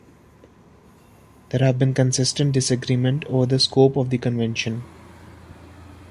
There have been consistent disagreement over the scope of the convention.